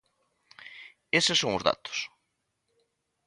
Eses son os datos.